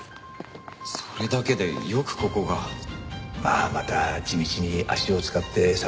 それだけでよくここが。まあまた地道に足を使って捜し出したんだろう。